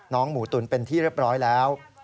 หมูตุ๋นเป็นที่เรียบร้อยแล้ว